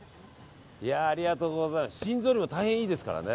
心臓にも大変いいですからね。